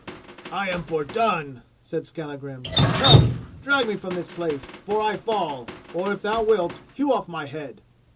"I am fordone!" said Skallagrim; "come, drag me from this place, for I fall; or, if thou wilt, hew off my head."